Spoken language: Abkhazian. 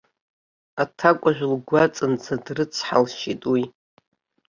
Аҭакәажә лгәаҵанӡа дрыцҳалшьеит уи.